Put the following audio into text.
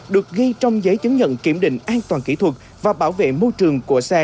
được ghi trong giấy chứng nhận kiểm định an toàn kỹ thuật và bảo vệ môi trường của xe